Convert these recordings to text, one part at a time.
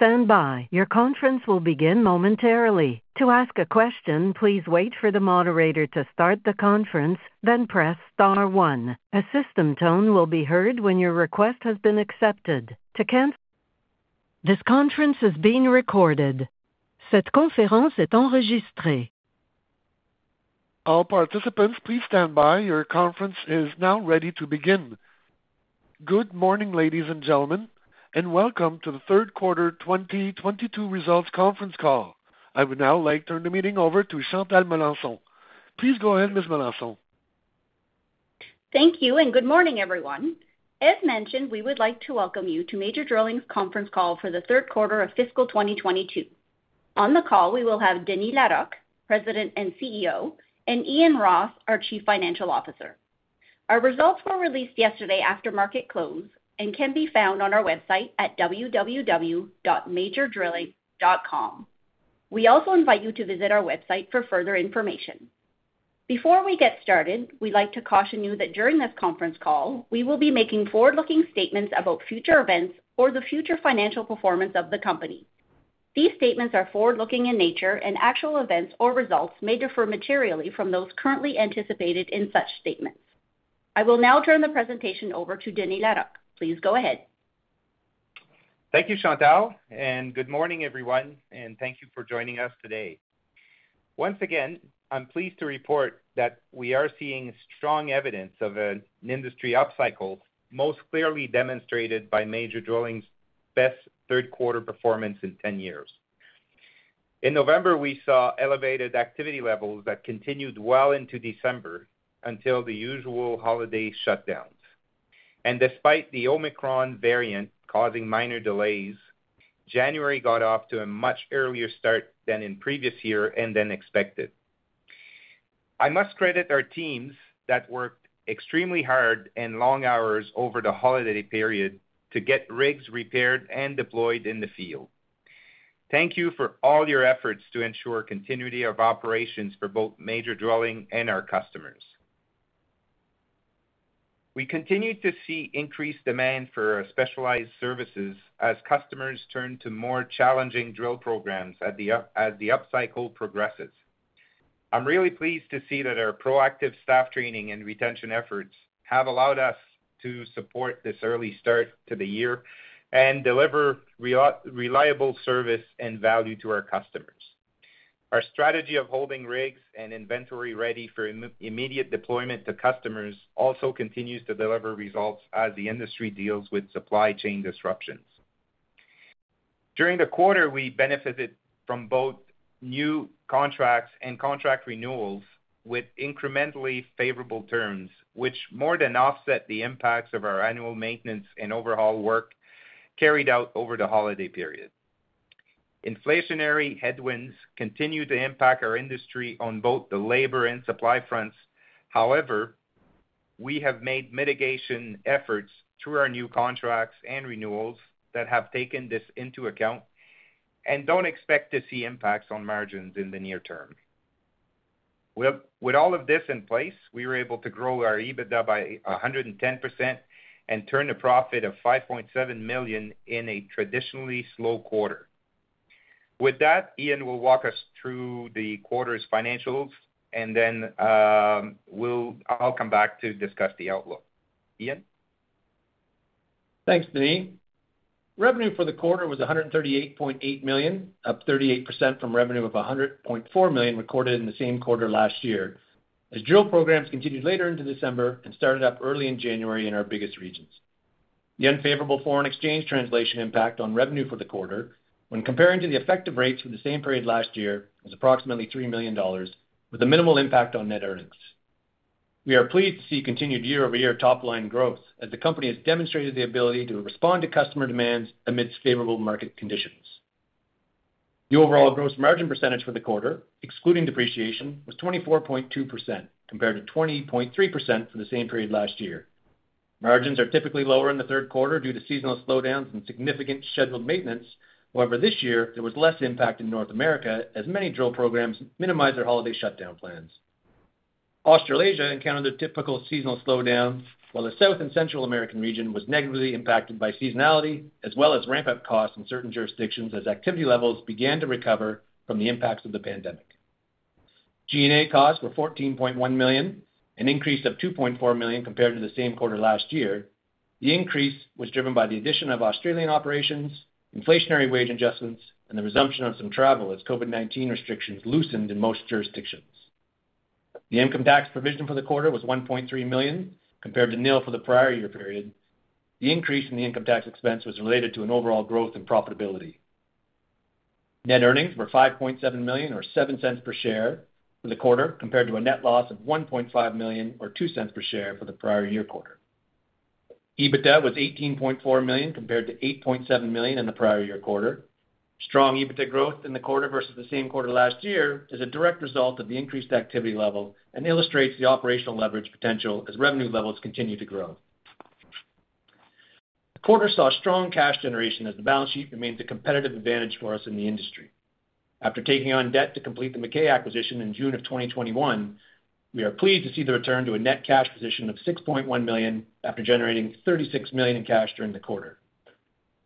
Stand by. Your conference will begin momentarily. To ask a question, please wait for the moderator to start the conference, then press star one. A system tone will be heard when your request has been accepted. To cancel... This conference is being recorded. Good morning, ladies and gentlemen, and welcome to the Q3 2022 results conference call. I would now like to turn the meeting over to Chantal Melanson. Please go ahead, Ms. Melanson. Thank you, and good morning, everyone. As mentioned, we would like to welcome you to Major Drilling's conference call for the Q3 of fiscal 2022. On the call, we will have Denis Larocque, President and CEO, and Ian Ross, our Chief Financial Officer. Our results were released yesterday after market close and can be found on our website at www.majordrilling.com. We also invite you to visit our website for further information. Before we get started, we'd like to caution you that during this conference call, we will be making forward-looking statements about future events or the future financial performance of the company. These statements are forward-looking in nature, and actual events or results may differ materially from those currently anticipated in such statements. I will now turn the presentation over to Denis Larocque. Please go ahead. Thank you, Chantal. Good morning, everyone, and thank you for joining us today. Once again, I'm pleased to report that we are seeing strong evidence of an industry upcycle, most clearly demonstrated by Major Drilling's best Q3 performance in 10 years. In November, we saw elevated activity levels that continued well into December until the usual holiday shutdowns. Despite the Omicron variant causing minor delays, January got off to a much earlier start than in previous year and than expected. I must credit our teams that worked extremely hard and long hours over the holiday period to get rigs repaired and deployed in the field. Thank you for all your efforts to ensure continuity of operations for both Major Drilling and our customers. We continued to see increased demand for our specialized services as customers turn to more challenging drill programs as the upcycle progresses. I'm really pleased to see that our proactive staff training and retention efforts have allowed us to support this early start to the year and deliver reliable service and value to our customers. Our strategy of holding rigs and inventory ready for immediate deployment to customers also continues to deliver results as the industry deals with supply chain disruptions. During the quarter, we benefited from both new contracts and contract renewals with incrementally favorable terms, which more than offset the impacts of our annual maintenance and overhaul work carried out over the holiday period. Inflationary headwinds continue to impact our industry on both the labor and supply fronts. However, we have made mitigation efforts through our new contracts and renewals that have taken this into account and don't expect to see impacts on margins in the near term. With all of this in place, we were able to grow our EBITDA by 110% and turn a profit of 5.7 million in a traditionally slow quarter. With that, Ian will walk us through the quarter's financials, and then, I'll come back to discuss the outlook. Ian? Thanks, Denis. Revenue for the quarter was 138.8 million, up 38% from revenue of 100.4 million recorded in the same quarter last year as drill programs continued later into December and started up early in January in our biggest regions. The unfavorable foreign exchange translation impact on revenue for the quarter when comparing to the effective rates for the same period last year was approximately 3 million dollars with a minimal impact on net earnings. We are pleased to see continued year-over-year top line growth as the company has demonstrated the ability to respond to customer demands amidst favorable market conditions. The overall gross margin percentage for the quarter, excluding depreciation, was 24.2%, compared to 20.3% for the same period last year. Margins are typically lower in the Q3 due to seasonal slowdowns and significant scheduled maintenance. However, this year there was less impact in North America as many drill programs minimized their holiday shutdown plans. Australasia encountered a typical seasonal slowdown, while the South and Central American region was negatively impacted by seasonality as well as ramp-up costs in certain jurisdictions as activity levels began to recover from the impacts of the pandemic. G&A costs were 14.1 million, an increase of 2.4 million compared to the same quarter last year. The increase was driven by the addition of Australian operations, inflationary wage adjustments, and the resumption of some travel as COVID-19 restrictions loosened in most jurisdictions. The income tax provision for the quarter was 1.3 million, compared to nil for the prior year period. The increase in the income tax expense was related to an overall growth in profitability. Net earnings were 5.7 million or 0.07 per share for the quarter compared to a net loss of 1.5 million or 0.02 per share for the prior year quarter. EBITDA was 18.4 million compared to 8.7 million in the prior year quarter. Strong EBITDA growth in the quarter versus the same quarter last year is a direct result of the increased activity level and illustrates the operational leverage potential as revenue levels continue to grow. The quarter saw strong cash generation as the balance sheet remains a competitive advantage for us in the industry. After taking on debt to complete the McKay acquisition in June 2021, we are pleased to see the return to a net cash position of 6.1 million after generating 36 million in cash during the quarter.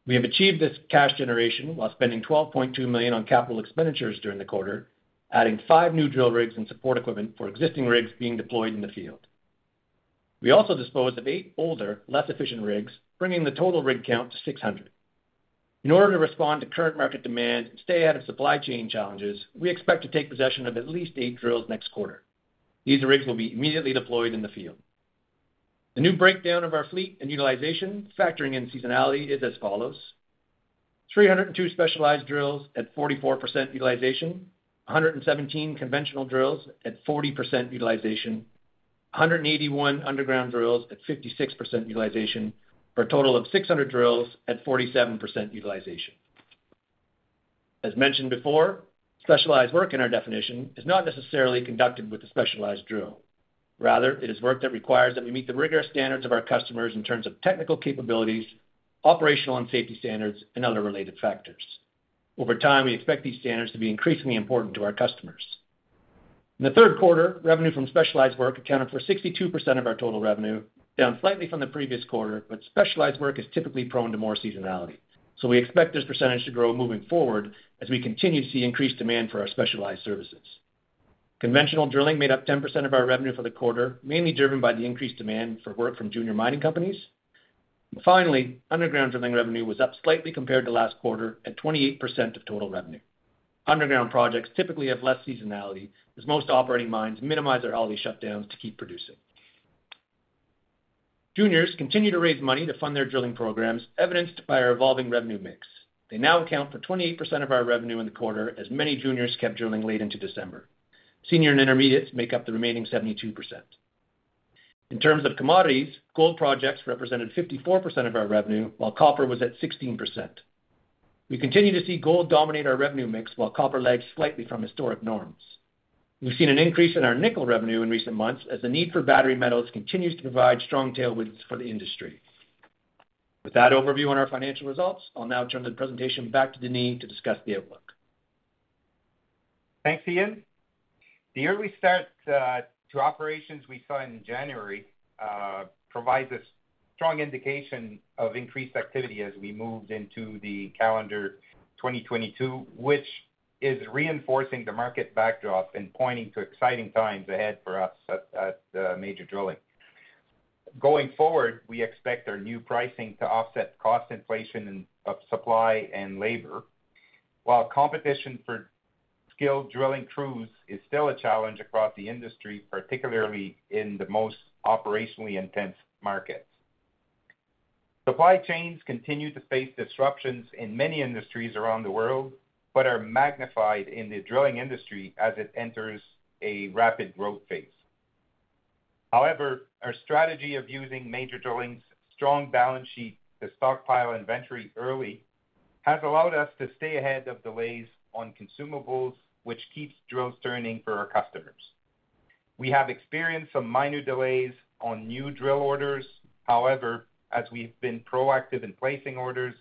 We have achieved this cash generation while spending 12.2 million on capital expenditures during the quarter, adding 5 new drill rigs and support equipment for existing rigs being deployed in the field. We also disposed of eight older, less efficient rigs, bringing the total rig count to 600. In order to respond to current market demand and stay out of supply chain challenges, we expect to take possession of at least eight drills next quarter. These rigs will be immediately deployed in the field. The new breakdown of our fleet and utilization factoring in seasonality is as follows. 302 specialized drills at 44% utilization. 117 conventional drills at 40% utilization. 181 underground drills at 56% utilization for a total of 600 drills at 47% utilization. As mentioned before, specialized work in our definition is not necessarily conducted with a specialized drill. Rather, it is work that requires that we meet the rigorous standards of our customers in terms of technical capabilities, operational and safety standards, and other related factors. Over time, we expect these standards to be increasingly important to our customers. In the Q3, revenue from specialized work accounted for 62% of our total revenue, down slightly from the previous quarter, but specialized work is typically prone to more seasonality. We expect this percentage to grow moving forward as we continue to see increased demand for our specialized services. Conventional drilling made up 10% of our revenue for the quarter, mainly driven by the increased demand for work from junior mining companies. Finally, underground drilling revenue was up slightly compared to last quarter at 28% of total revenue. Underground projects typically have less seasonality as most operating mines minimize their holiday shutdowns to keep producing. Juniors continue to raise money to fund their drilling programs, evidenced by our evolving revenue mix. They now account for 28% of our revenue in the quarter as many juniors kept drilling late into December. Senior and intermediates make up the remaining 72%. In terms of commodities, gold projects represented 54% of our revenue, while copper was at 16%. We continue to see gold dominate our revenue mix while copper lags slightly from historic norms. We've seen an increase in our nickel revenue in recent months as the need for battery metals continues to provide strong tailwinds for the industry. With that overview on our financial results, I'll now turn the presentation back to Denis to discuss the outlook. Thanks, Ian. The early start to operations we saw in January provides a strong indication of increased activity as we moved into the calendar 2022, which is reinforcing the market backdrop and pointing to exciting times ahead for us at Major Drilling. Going forward, we expect our new pricing to offset cost inflation and costs of supply and labor, while competition for skilled drilling crews is still a challenge across the industry, particularly in the most operationally intense markets. Supply chains continue to face disruptions in many industries around the world, but are magnified in the drilling industry as it enters a rapid growth phase. However, our strategy of using Major Drilling's strong balance sheet to stockpile inventory early has allowed us to stay ahead of delays on consumables, which keeps drills turning for our customers. We have experienced some minor delays on new drill orders. However, as we've been proactive in placing orders,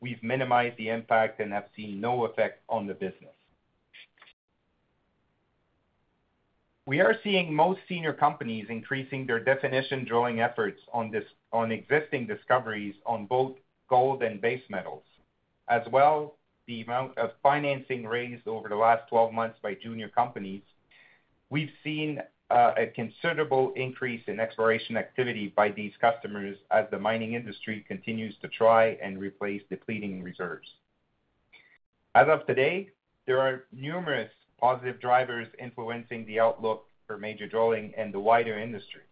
we've minimized the impact and have seen no effect on the business. We are seeing most senior companies increasing their definition drilling efforts on existing discoveries on both gold and base metals. As well, the amount of financing raised over the last 12 months by junior companies, we've seen, a considerable increase in exploration activity by these customers as the mining industry continues to try and replace depleting reserves. As of today, there are numerous positive drivers influencing the outlook for Major Drilling and the wider industry.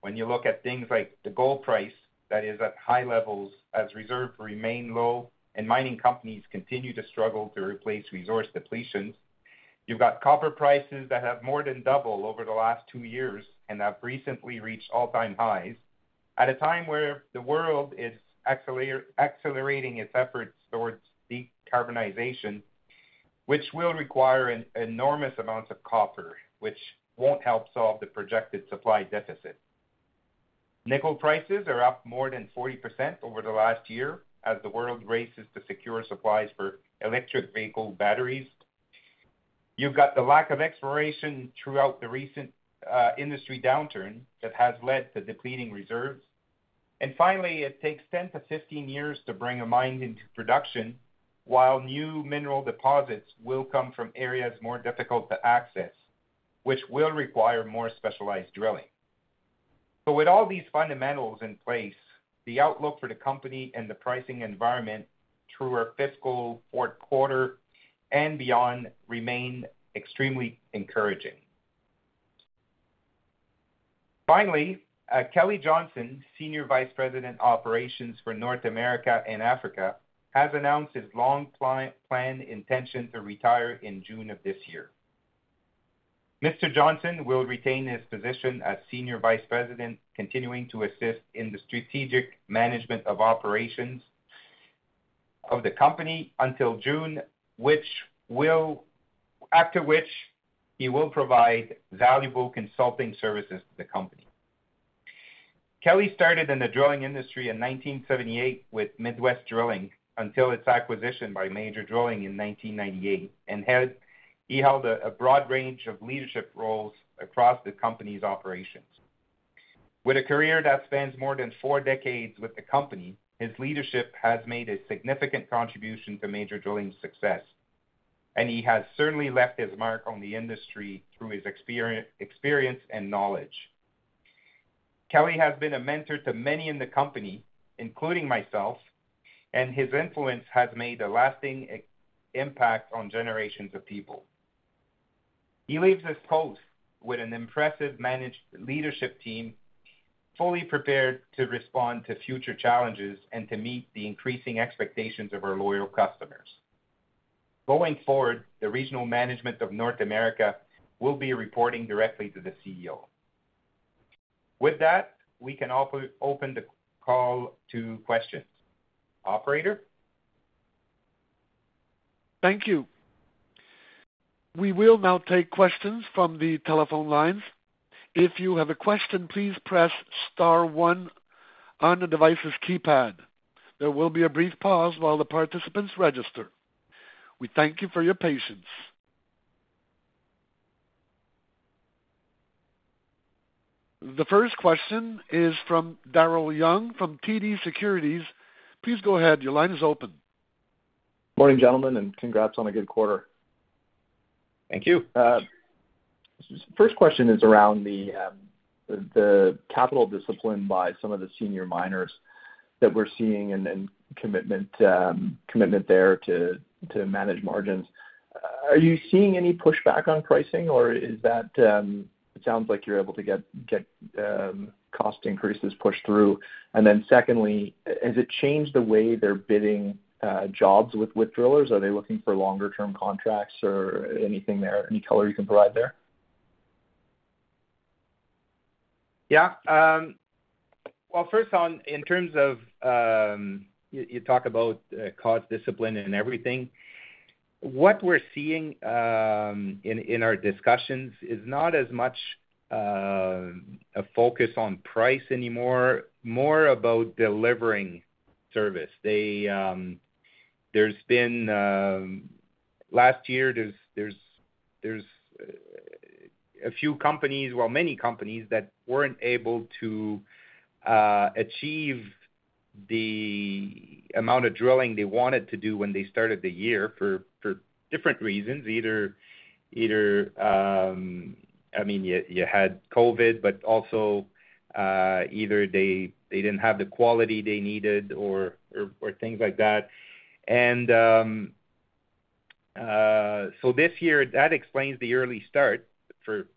When you look at things like the gold price that is at high levels as reserves remain low and mining companies continue to struggle to replace resource depletions, you've got copper prices that have more than doubled over the last two years and have recently reached all-time highs at a time where the world is accelerating its efforts towards decarbonization, which will require an enormous amount of copper, which won't help solve the projected supply deficit. Nickel prices are up more than 40% over the last year as the world races to secure supplies for electric vehicle batteries. You've got the lack of exploration throughout the recent industry downturn that has led to depleting reserves. Finally, it takes 10-15 years to bring a mine into production, while new mineral deposits will come from areas more difficult to access, which will require more specialized drilling. With all these fundamentals in place, the outlook for the company and the pricing environment through our fiscal Q4 and beyond remain extremely encouraging. Finally, Kelly Johnson, Senior Vice President Operations for North America and Africa, has announced his long-planned intention to retire in June of this year. Mr. Johnson will retain his position as Senior Vice President, continuing to assist in the strategic management of operations of the company until June, after which he will provide valuable consulting services to the company. Kelly started in the drilling industry in 1978 with Midwest Drilling until its acquisition by Major Drilling in 1998. He held a broad range of leadership roles across the company's operations. With a career that spans more than four decades with the company, his leadership has made a significant contribution to Major Drilling's success, and he has certainly left his mark on the industry through his experience and knowledge. Kelly has been a mentor to many in the company, including myself, and his influence has made a lasting impact on generations of people. He leaves us both with an impressive managed leadership team, fully prepared to respond to future challenges and to meet the increasing expectations of our loyal customers. Going forward, the regional management of North America will be reporting directly to the CEO. With that, we can open the call to questions. Operator? Thank you. We will now take questions from the telephone lines. If you have a question, please press star one on the device's keypad. There will be a brief pause while the participants register. We thank you for your patience. The first question is from Daryl Young from TD Securities. Please go ahead. Your line is open. Morning, gentlemen, and congrats on a good quarter. Thank you. First question is around the capital discipline by some of the senior miners that we're seeing and commitment there to manage margins. Are you seeing any pushback on pricing, or is that. It sounds like you're able to get cost increases pushed through. Secondly, has it changed the way they're bidding jobs with drillers? Are they looking for longer term contracts or anything there, any color you can provide there? Yeah. Well, first on, in terms of, you talk about cost discipline and everything. What we're seeing in our discussions is not as much a focus on price anymore, more about delivering service. There's been last year there's a few companies, well, many companies that weren't able to achieve the amount of drilling they wanted to do when they started the year for different reasons. Either, I mean, you had COVID, but also, either they didn't have the quality they needed or things like that. This year, that explains the early start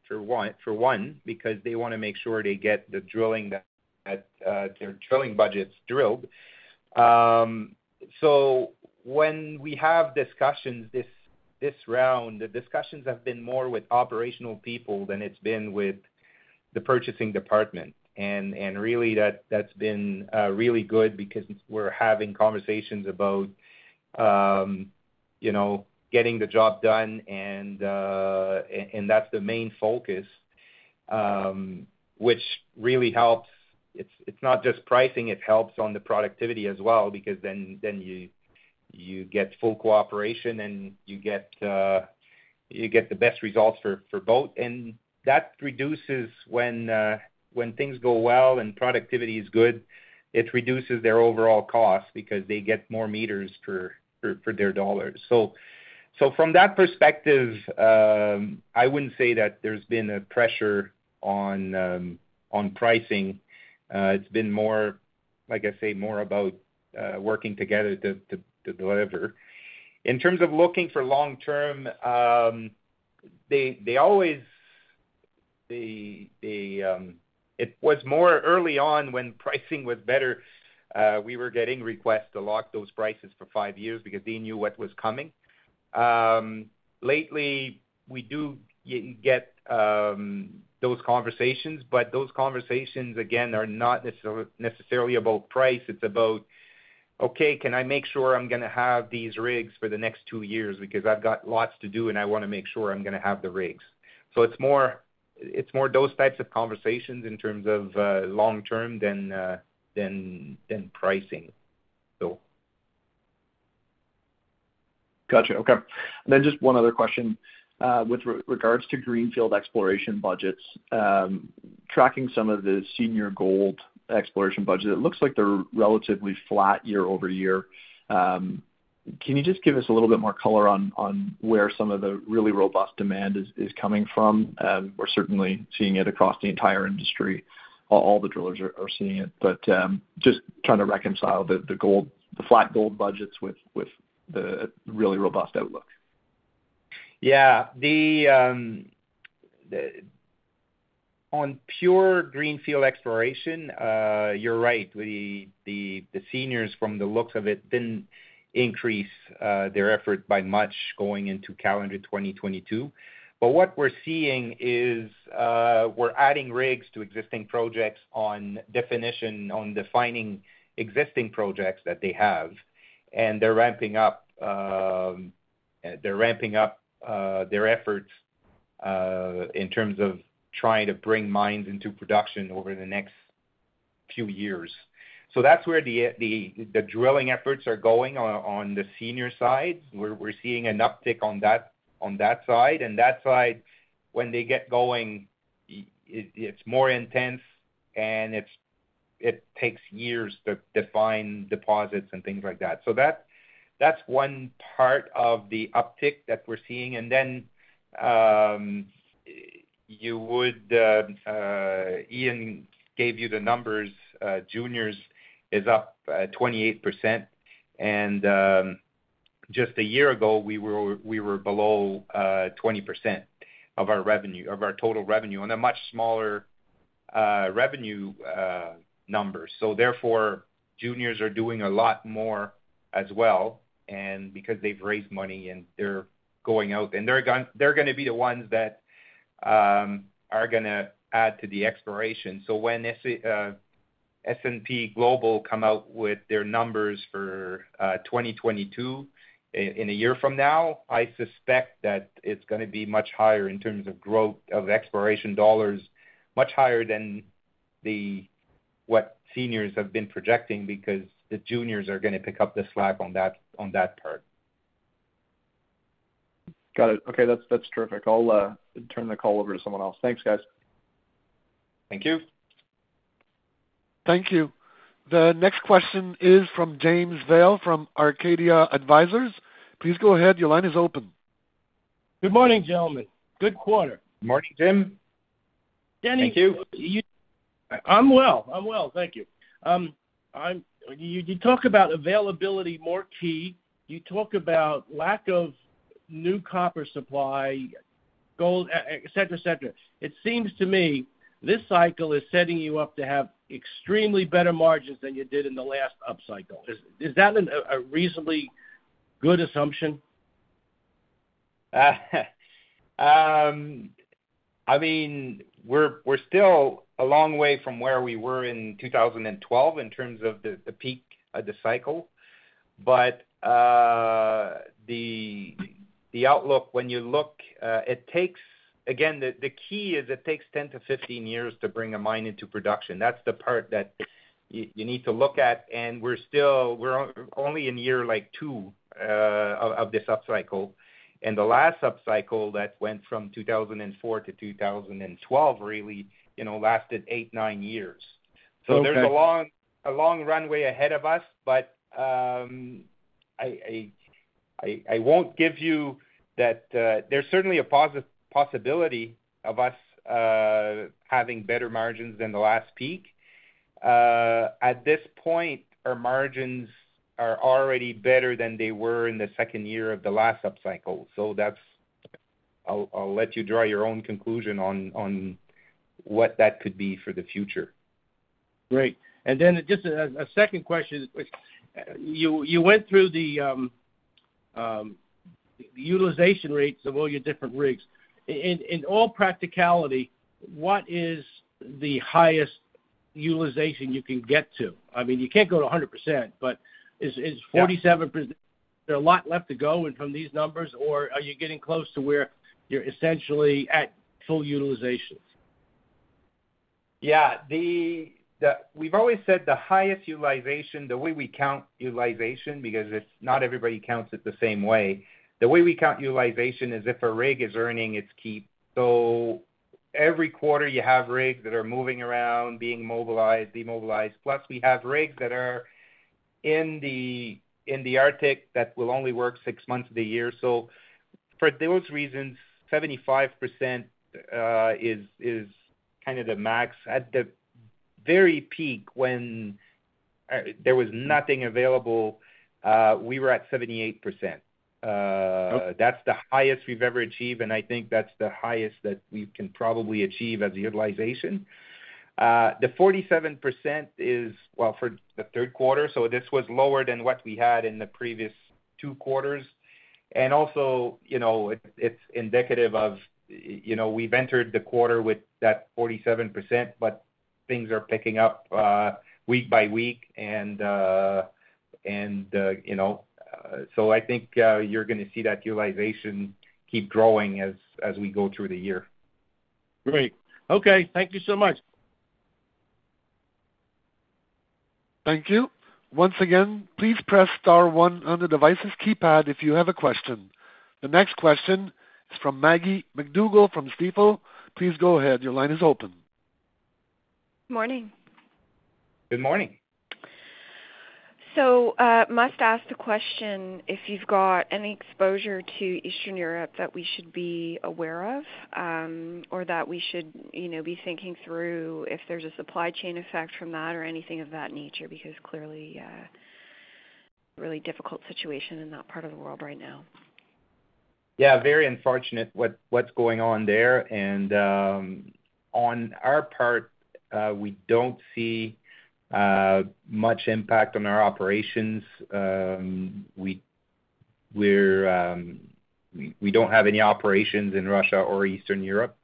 for one, because they wanna make sure they get the drilling that their drilling budgets drilled. When we have discussions this round, the discussions have been more with operational people than it's been with the purchasing department. Really, that's been really good because we're having conversations about, you know, getting the job done and that's the main focus, which really helps. It's not just pricing. It helps on the productivity as well because then you get full cooperation and you get the best results for both. That reduces when things go well and productivity is good. It reduces their overall cost because they get more meters per their dollars. From that perspective, I wouldn't say that there's been a pressure on pricing. It's been more, like I say, more about working together to deliver. In terms of looking for long-term, it was more early on when pricing was better, we were getting requests to lock those prices for five years because they knew what was coming. Lately we do get those conversations, but those conversations again are not necessarily about price. It's about, okay, can I make sure I'm gonna have these rigs for the next two years? Because I've got lots to do, and I wanna make sure I'm gonna have the rigs. It's more those types of conversations in terms of long-term than pricing. Gotcha. Okay. Just one other question with regards to greenfield exploration budgets. Tracking some of the senior gold exploration budget, it looks like they're relatively flat year-over-year. Can you just give us a little bit more color on where some of the really robust demand is coming from? We're certainly seeing it across the entire industry. All the drillers are seeing it, but just trying to reconcile the gold, the flat gold budgets with the really robust outlook. Yeah. On pure greenfield exploration, you're right. The seniors from the looks of it didn't increase their effort by much going into calendar 2022. What we're seeing is, we're adding rigs to existing projects on definition, on defining existing projects that they have, and they're ramping up their efforts in terms of trying to bring mines into production over the next few years. That's where the drilling efforts are going on the senior side. We're seeing an uptick on that side. That side, when they get going, it's more intense, and it takes years to define deposits and things like that. That's one part of the uptick that we're seeing. Ian gave you the numbers, juniors is up 28%. Just a year ago, we were below 20% of our revenue, of our total revenue on a much smaller revenue number. Therefore, juniors are doing a lot more as well, and because they've raised money and they're going out. They're gonna be the ones that are gonna add to the exploration. When S&P Global come out with their numbers for 2022 in a year from now, I suspect that it's gonna be much higher in terms of growth of exploration dollars, much higher than what seniors have been projecting, because the juniors are gonna pick up the slack on that, on that part. Got it. Okay. That's terrific. I'll turn the call over to someone else. Thanks, guys. Thank you. Thank you. The next question is from James Vail, from Arcadia Advisors. Please go ahead. Your line is open. Good morning, gentlemen. Good quarter. Mark, Jim. Danny. Thank you. I'm well, thank you. You talk about availability more key. You talk about lack of new copper supply, gold, et cetera. It seems to me this cycle is setting you up to have extremely better margins than you did in the last upcycle. Is that a reasonably good assumption? I mean, we're still a long way from where we were in 2012 in terms of the peak of the cycle. The outlook, when you look, it takes. Again, the key is it takes 10-15 years to bring a mine into production. That's the part that you need to look at, and we're still only in year, like, two of this upcycle. The last upcycle that went from 2004 to 2012 really, you know, lasted eight-nine years. Okay. There's a long runway ahead of us, but I won't give you that. There's certainly a possibility of us having better margins than the last peak. At this point, our margins are already better than they were in the second year of the last upcycle. That's. I'll let you draw your own conclusion on what that could be for the future. Great. Just a second question. You went through the utilization rates of all your different rigs. In all practicality, what is the highest utilization you can get to? I mean, you can't go to 100%, but is 47%- Yeah. Is there a lot left to go in from these numbers, or are you getting close to where you're essentially at full utilizations? Yeah. We've always said the highest utilization, the way we count utilization, because not everybody counts it the same way. The way we count utilization is if a rig is earning its keep. Every quarter you have rigs that are moving around, being mobilized, demobilized, plus we have rigs that are in the Arctic that will only work six months of the year. For those reasons, 75% is kind of the max. At the very peak when there was nothing available, we were at 78%. Okay. That's the highest we've ever achieved, and I think that's the highest that we can probably achieve as a utilization. The 47% is, well, for the Q3, so this was lower than what we had in the previous two quarters. Also, you know, it's indicative of, you know, we've entered the quarter with that 47%, but things are picking up week by week and, you know. I think you're gonna see that utilization keep growing as we go through the year. Great. Okay. Thank you so much. Thank you. Once again, please press star one on the device's keypad if you have a question. The next question is from Maggie MacDougall, from Stifel. Please go ahead. Your line is open. Morning. Good morning. Must ask the question if you've got any exposure to Eastern Europe that we should be aware of, or that we should, you know, be thinking through if there's a supply chain effect from that or anything of that nature, because clearly a really difficult situation in that part of the world right now. Yeah. Very unfortunate what's going on there. On our part, we don't see much impact on our operations. We don't have any operations in Russia or Eastern Europe.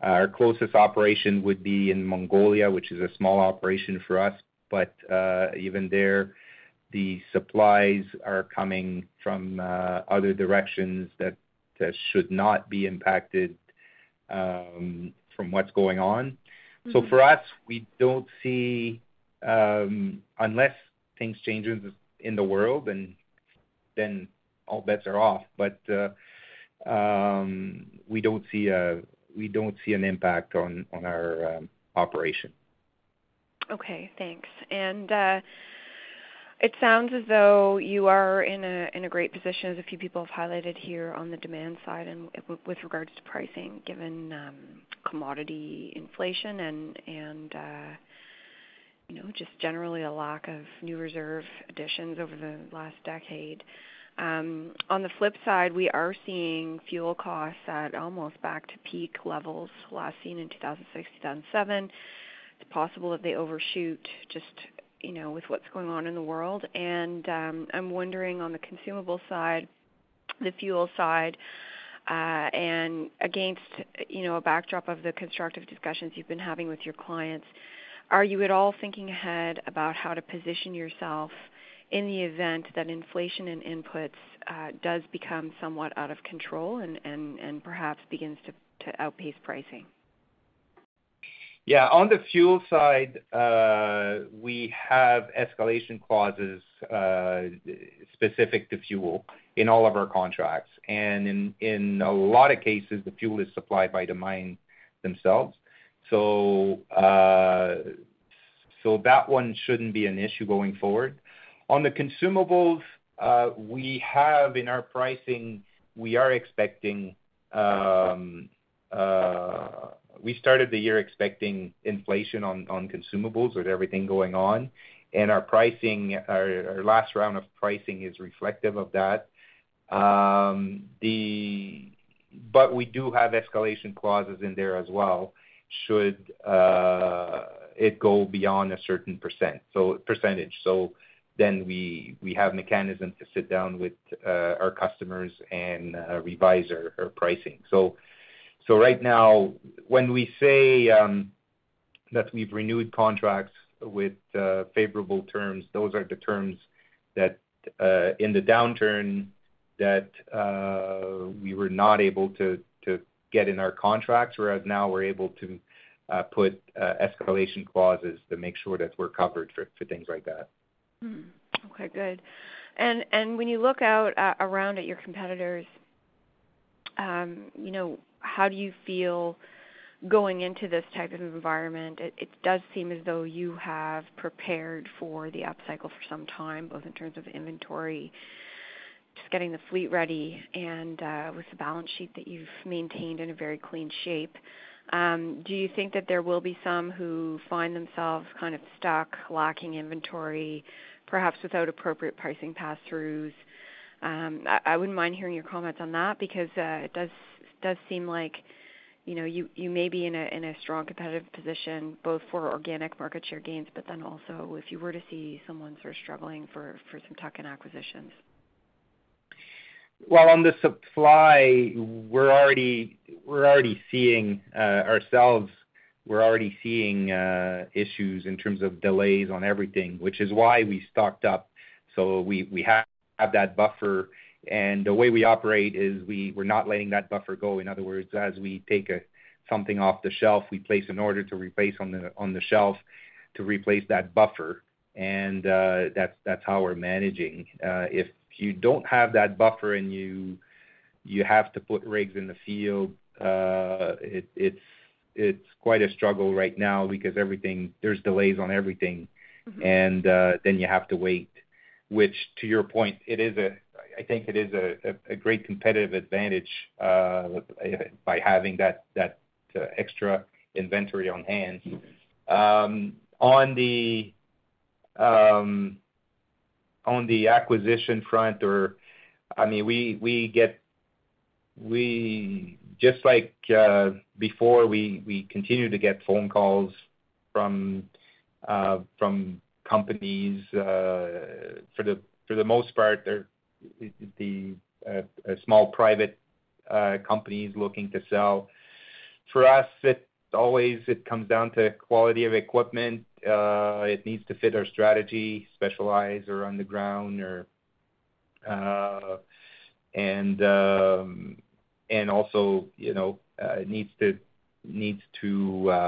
Our closest operation would be in Mongolia, which is a small operation for us. Even there, the supplies are coming from other directions that should not be impacted from what's going on. Mm-hmm. For us, we don't see, unless things change in the world, then all bets are off. We don't see an impact on our operation. Okay. Thanks. It sounds as though you are in a great position, as a few people have highlighted here, on the demand side and with regards to pricing, given commodity inflation and you know, just generally a lack of new reserve additions over the last decade. On the flip side, we are seeing fuel costs at almost back to peak levels last seen in 2006, 2007. It's possible that they overshoot just, you know, with what's going on in the world. I'm wondering on the consumable side, the fuel side, and against, you know, a backdrop of the constructive discussions you've been having with your clients, are you at all thinking ahead about how to position yourself in the event that inflation in inputs does become somewhat out of control and perhaps begins to outpace pricing? Yeah. On the fuel side, we have escalation clauses specific to fuel in all of our contracts. In a lot of cases, the fuel is supplied by the mine themselves. That one shouldn't be an issue going forward. On the consumables, we started the year expecting inflation on consumables with everything going on, and our last round of pricing is reflective of that. We do have escalation clauses in there as well, should it go beyond a certain percentage. We have mechanism to sit down with our customers and revise our pricing. Right now, when we say that we've renewed contracts with favorable terms, those are the terms that in the downturn we were not able to get in our contracts, whereas now we're able to put escalation clauses to make sure that we're covered for things like that. Okay. Good. When you look out around at your competitors, you know, how do you feel going into this type of environment? It does seem as though you have prepared for the upcycle for some time, both in terms of inventory, just getting the fleet ready and with the balance sheet that you've maintained in a very clean shape. Do you think that there will be some who find themselves kind of stuck lacking inventory, perhaps without appropriate pricing pass-throughs? I wouldn't mind hearing your comments on that because it does seem like, you know, you may be in a strong competitive position both for organic market share gains, but then also if you were to see someone sort of struggling for some tuck-in acquisitions. Well, on the supply, we're seeing issues in terms of delays on everything, which is why we stocked up. We have that buffer. The way we operate is we're not letting that buffer go. In other words, as we take something off the shelf, we place an order to replace on the shelf to replace that buffer. That's how we're managing. If you don't have that buffer and you have to put rigs in the field, it's quite a struggle right now because there's delays on everything. Mm-hmm. Then you have to wait, which to your point, I think it is a great competitive advantage by having that extra inventory on hand. On the acquisition front or, I mean, we get, we just like before we continue to get phone calls from companies, for the most part, they're the small private companies looking to sell. For us, it always comes down to quality of equipment. It needs to fit our strategy, specialize or on the ground or, and also, you know, it needs to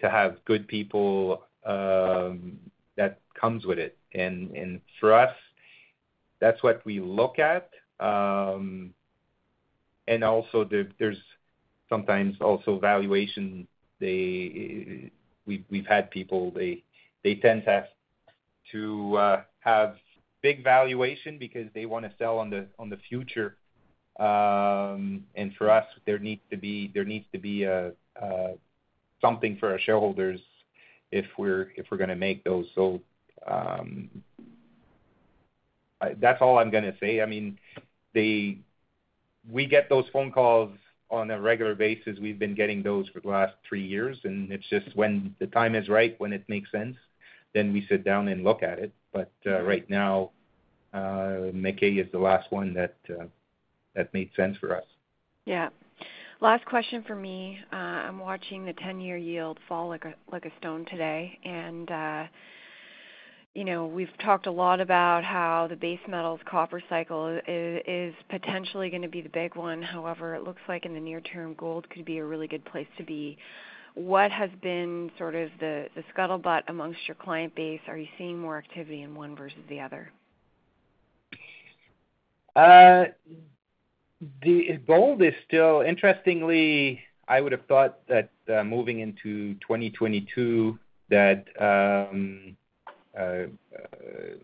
have good people that comes with it. For us, that's what we look at. Also there's sometimes also valuation. We've had people, they tend to have big valuation because they wanna sell on the future. For us, there needs to be something for our shareholders if we're gonna make those. That's all I'm gonna say. I mean, we get those phone calls on a regular basis. We've been getting those for the last three years, and it's just when the time is right, when it makes sense, then we sit down and look at it. Right now, McKay is the last one that made sense for us. Yeah. Last question for me. I'm watching the 10-year yield fall like a stone today. You know, we've talked a lot about how the base metals copper cycle is potentially gonna be the big one. However, it looks like in the near term, gold could be a really good place to be. What has been sort of the scuttlebutt amongst your client base? Are you seeing more activity in one versus the other? Interestingly, I would have thought that moving into 2022,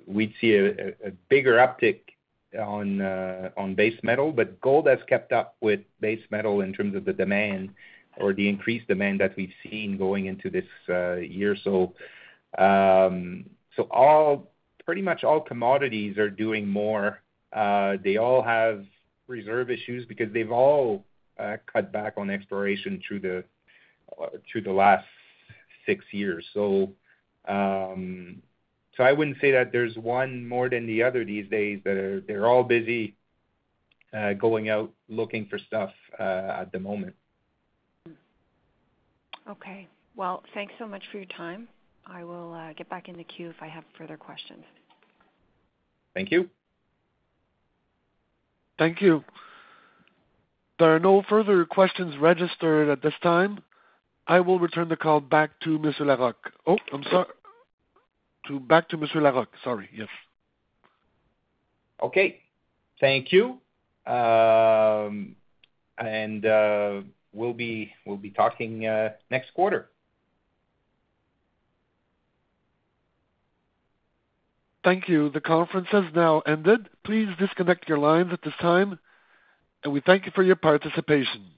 we'd see a bigger uptick on base metal. Gold has kept up with base metal in terms of the demand or the increased demand that we've seen going into this year or so. Pretty much all commodities are doing more. They all have reserve issues because they've all cut back on exploration through the last six years. I wouldn't say that there's one more than the other these days. They're all busy going out looking for stuff at the moment. Okay. Well, thanks so much for your time. I will get back in the queue if I have further questions. Thank you. Thank you. There are no further questions registered at this time. I will turn the call back to Monsieur Larocque. Sorry. Yes. Okay. Thank you. We'll be talking next quarter. Thank you. The conference has now ended. Please disconnect your lines at this time, and we thank you for your participation.